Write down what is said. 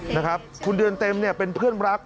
นะครับคุณเดือนเต็มเนี่ยเป็นเพื่อนรัก